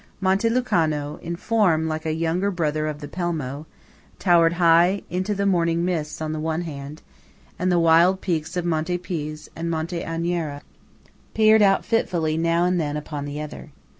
Monte Lucano, in form like a younger brother of the Pelmo, towered high into the morning mists on the one hand, and the wild peaks of Monte Piz and Monte Agnara peered out fitfully now and then upon the other.